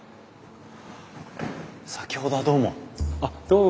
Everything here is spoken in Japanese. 先ほどはどうも。